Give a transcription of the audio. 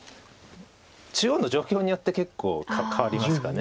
中央の状況によって結構変わりますかね。